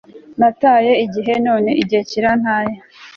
nataye igihe, none igihe kirantaye. - william shakespeare